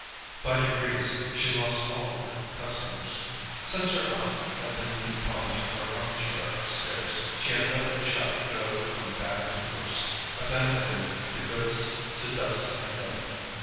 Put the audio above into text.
By degrees, she lost all her customers. Since her aunt had been confined to her armchair upstairs, she had let the shop go from bad to worse, abandoning the goods to dust and damp.